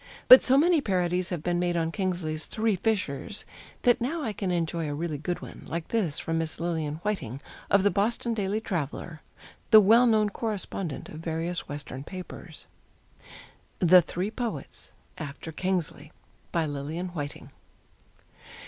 But so many parodies have been made on Kingsley's "Three Fishers" that now I can enjoy a really good one, like this from Miss Lilian Whiting, of the Boston Daily Traveller, the well known correspondent of various Western papers: THE THREE POETS. After Kingsley. BY LILIAN WHITING.